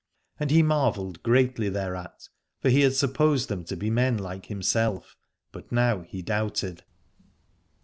And he marvelled greatly thereat, for he had supposed them to be men like himself, but now he doubted.